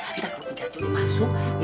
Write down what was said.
kita kemudian jatuhin masuk ya